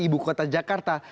ibu kota jakarta